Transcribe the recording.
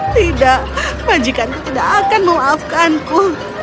tidak majikanku tidak akan memaafkanku